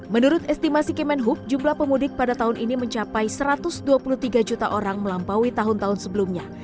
menurut estimasi kemenhub jumlah pemudik pada tahun ini mencapai satu ratus dua puluh tiga juta orang melampaui tahun tahun sebelumnya